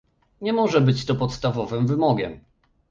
Nie może być to podstawowym wymogiem